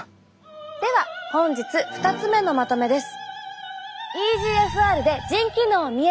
では本日２つ目のまとめです。